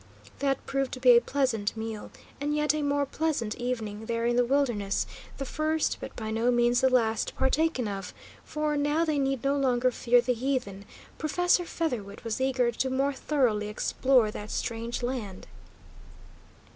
That proved to be a pleasant meal, and yet a more pleasant evening there in the wilderness, the first, but by no means the last, partaken of, for, now they need no longer fear the heathen, Professor Featherwit was eager to more thoroughly explore that strange land.